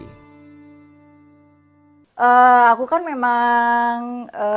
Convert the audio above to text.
aku kan memang